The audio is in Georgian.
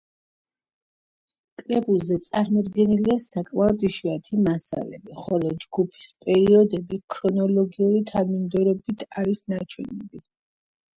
კრებულზე წარმოდგენილია საკმაოდ იშვიათი მასალები, ხოლო ჯგუფის პერიოდები ქრონოლოგიური თანმიმდევრობით არის ნაჩვენები.